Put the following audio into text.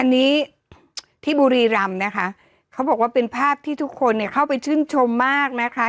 อันนี้ที่บุรีรำนะคะเขาบอกว่าเป็นภาพที่ทุกคนเนี่ยเข้าไปชื่นชมมากนะคะ